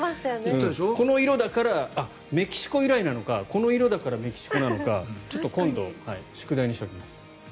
この色だからメキシコ由来なのかこの色だからメキシコなのかちょっと今度宿題にしておきます。